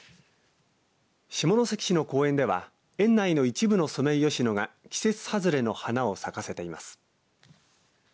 下関市の公園では園内の一部のソメイヨシノが季節外れの花を咲かせています。